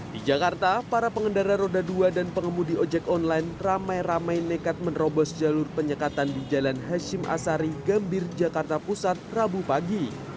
di jakarta para pengendara roda dua dan pengemudi ojek online ramai ramai nekat menerobos jalur penyekatan di jalan hashim asari gambir jakarta pusat rabu pagi